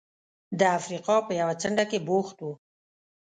د افریقا په یوه څنډه کې بوخت و.